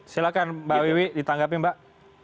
silahkan mbak wiwi ditanggapi mbak